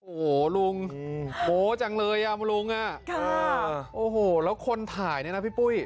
โอ้โหลุงโมจังเลยอ่ะลุงอ่ะค่ะโอ้โหแล้วคนถ่ายเนี่ยนะพี่ปุ้ย